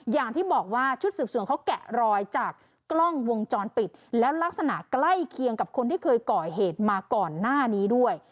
อย่างที่บอกว่าชุดสืบสวนเขาแกะรอยจากกล้องวงจรปิดแล้วลักษณะใกล้เคียงกับคนที่เคยก่อเหตุมาก่อนหน้านี้ด้วย